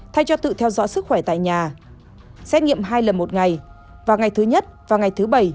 thay cho tự theo dõi sức khỏe tại nhà xét nghiệm hai lần một ngày và ngày thứ nhất và ngày thứ bảy